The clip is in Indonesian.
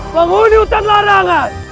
penghuni utan larangan